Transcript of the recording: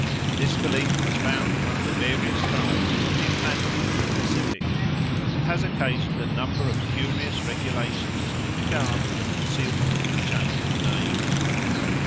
This belief was found among the various tribes from the Atlantic to the Pacific, and has occasioned a number of curious regulations in regard to the concealment and change of names."